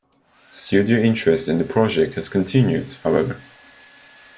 Studio interest in the project has continued, however.